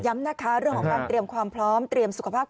ย้ำนะคะเรื่องของความเตรียมความพร้อม